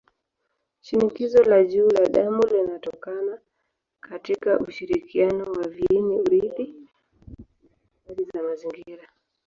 Shinikizo la juu la damu linatokana katika ushirikiano wa viini-urithi na athari za mazingira.